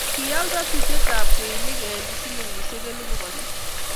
Kial rotutietab kweyonik eng' silingisiek elipu konom.